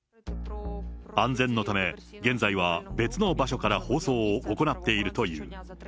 安全のため、現在は別の場所から放送を行っているという。